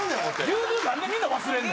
牛乳何でみんな忘れんの？